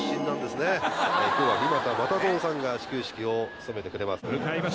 「今日は三又又三さんが始球式を務めてくれます」